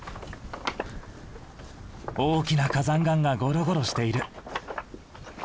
大きな火山岩がゴロゴロしている。